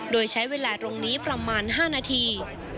โดยใช้เวลาตรงนี้ประมาณ๕นาที